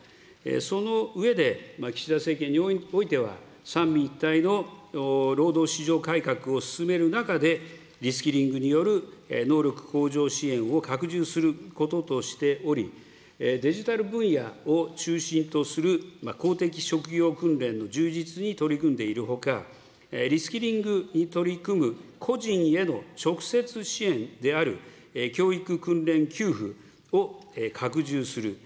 その上で、岸田政権においては、三位一体の労働市場改革を進める中で、リスキリングによる能力向上支援を拡充することとしており、デジタル分野を中心とする公的職業訓練の充実に取り組んでいるほか、リスキリングに取り組む個人への直接支援である、教育訓練給付を拡充する。